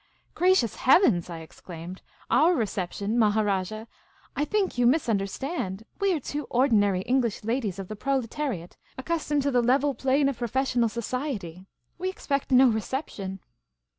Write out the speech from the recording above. "Gracious heavens!" I exclaimed. "Our reception, Maharajah ? I think j'ou misunderstand. We are two ordinary English ladies of the proletariat, accustomed to the level plain of professional society. We expect no reception."